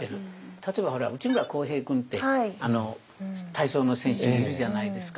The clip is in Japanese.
例えばほら内村航平君って体操の選手いるじゃないですか。